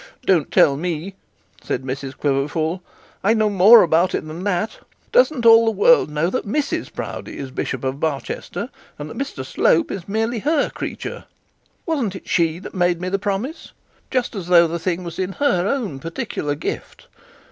'Don't tell me,' said Mrs Quiverful; 'I know more about it than that. Doesn't all the world know that Mrs Proudie is bishop of Barchester, and that Mr Slope is merely her creature? Wasn't it she that made me the promise just as though the thing was in her own particular gift?